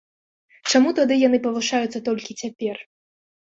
Чаму тады яны павышаюцца толькі цяпер?